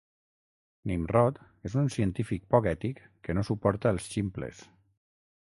Nimrod és un científic poc ètic que no suporta els ximples.